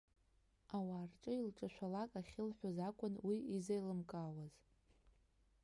Ауаа рҿы илҿашәалак ахьылҳәоз акәын уи изеилымкаауаз.